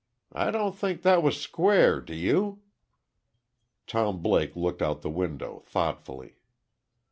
I don't think that was square, do you?" Tom Blake looked out the window, thoughtfully.